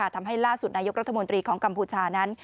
ทำให้ล่าสุดนายกรัฐมนตรีของกัมพูชานั้น